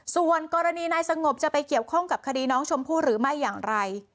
ส่วนกรณีนายสงบจะไปเกี่ยวข้องกับคดีน้องชมพู่หรือไม่อย่างไร